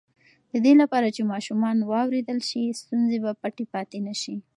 د دې لپاره چې ماشومان واورېدل شي، ستونزې به پټې پاتې نه شي.